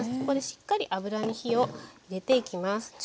ここでしっかり油に火を入れていきます。